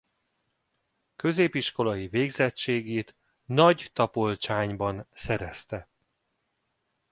Középiskolai végzettségét Nagytapolcsányban szerezte.